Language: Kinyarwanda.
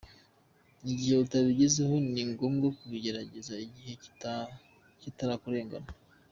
Igihe utabigezeho, ni ngombwa kubigerageza igihe kitarakurengana.